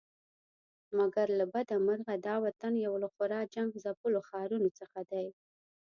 مګر له بده مرغه دا وطن یو له خورا جنګ ځپلو ښارونو څخه دی.